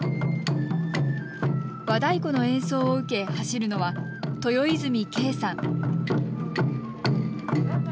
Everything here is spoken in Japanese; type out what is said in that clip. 和太鼓の演奏を受け、走るのは豊泉圭さん。